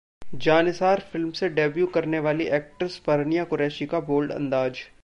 'Jannisar' film से debut करने वाली एक्ट्रेस परनिया कुरैशी का बोल्ड अंदाज